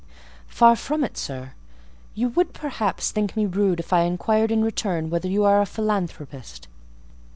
"Far from it, sir. You would, perhaps, think me rude if I inquired in return whether you are a philanthropist?"